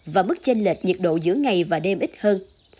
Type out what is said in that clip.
và mức chênh lệch nhiệt độ giữa ngày và đêm ít hơn